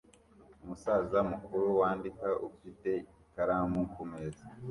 Umusaza mukuru wandika ufite ikaramu kumeza